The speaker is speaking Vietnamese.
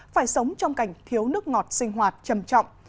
phải sống trong cảnh thiếu nước ngọt sinh hoạt trầm trọng